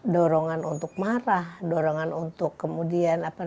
dorongan untuk marah dorongan untuk berpikir panjang